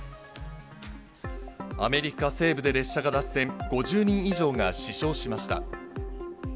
アメリカ西部で列車が脱線、５０人以上が死傷しました。